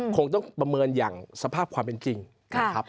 คงต้องประเมินอย่างสภาพความเป็นจริงนะครับ